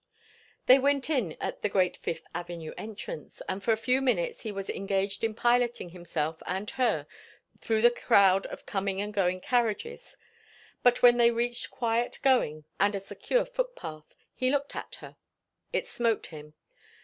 They went in at the great Fifth Avenue entrance; and for a few minutes he was engaged in piloting himself and her through the crowd of coming and going carriages; but when they reached quiet going and a secure footpath, he looked at her. It smote him.